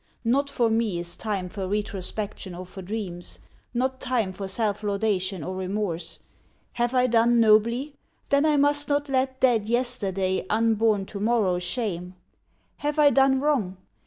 Not for me Is time for retrospection or for dreams, Not time for self laudation or remorse. Have I done nobly? Then I must not let Dead yesterday unborn to morrow shame. Have I done wrong?